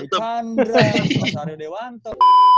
dikandrem mas aryo dewanto